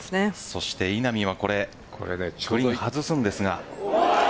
そして稲見はちょい外すんですが。